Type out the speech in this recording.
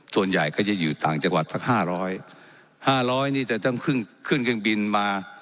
ส่วนใหญ่ก็จะอยู่ต่างจังหวัดสักห้าร้อยห้าร้อยนี่จะต้องขึ้นเครื่องบินมา